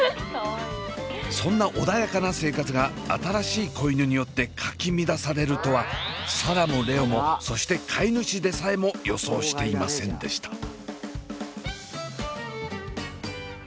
そんな穏やかな生活が新しい子犬によってかき乱されるとは紗蘭も蓮音もそして飼い主でさえも予想していませんでした。